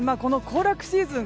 行楽シーズン